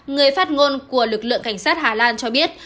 người phát ngôn của lực lượng cảnh sát hà lan cho biết